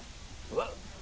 「うわっ！